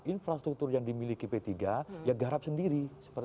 infrastruktur yang dimiliki p tiga ya garap sendiri